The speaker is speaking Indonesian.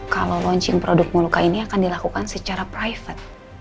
kalau launching produk muluka ini akan dilakukan secara private